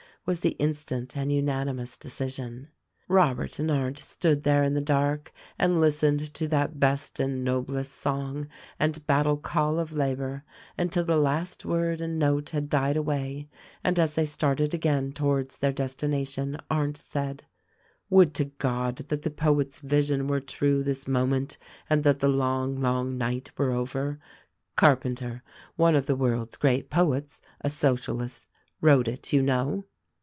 was the instant and unanimous decision. Robert and Arndt stood there in the dark and listened to that best and noblest song and battle call of labor until the last word and note had died away, and as they started again towards their destination Arndt said, "Would to God that the poet's vision were true this mo ment and that the long, long night were over. Carpenter, one of the world's great poets, a Socialist, wrote it, you know."